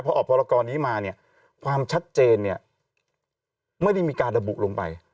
พอออกพรกรนี้มาเนี่ยความชัดเจนเนี่ยไม่ได้มีการระบุลงไป